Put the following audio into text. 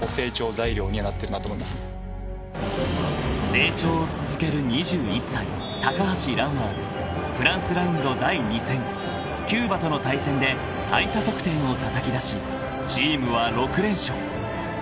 ［成長を続ける２１歳橋藍はフランスラウンド第２戦キューバとの対戦で最多得点をたたき出しチームは６連勝］